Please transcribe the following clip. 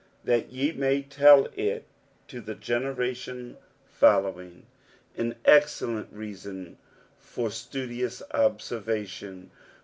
"T^lytmay tdi it to the gtneration foUoiting." An excellent reason for studious obserradon.